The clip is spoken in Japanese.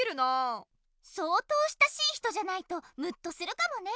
そうとう親しい人じゃないとムッとするかもね。